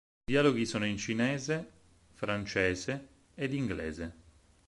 Il dialoghi sono in cinese, francese ed inglese.